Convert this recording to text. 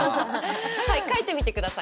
はい書いてみてください。